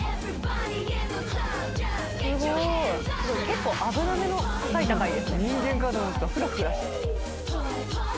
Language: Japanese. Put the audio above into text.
結構危なめの高い高いですね。